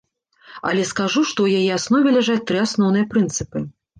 Але скажу, што ў яе аснове ляжаць тры асноўныя прынцыпы.